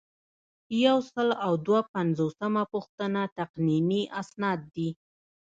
یو سل او دوه پنځوسمه پوښتنه تقنیني اسناد دي.